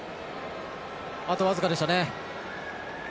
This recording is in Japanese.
あと僅かでしたね。